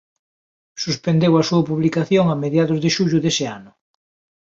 Suspendeu a súa publicación a mediados de xullo dese ano.